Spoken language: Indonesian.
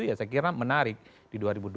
ya saya kira menarik di dua ribu dua puluh